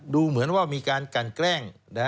ดอเหมือนว่ามีการกลางแกรง